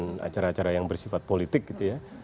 dengan acara acara yang bersifat politik gitu ya